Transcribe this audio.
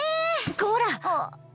こら！